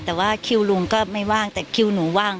แต่ว่าคิวลุงก็ไม่ว่างแต่คิวหนูว่าง